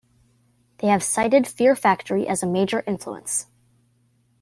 They have cited Fear Factory as a major influence.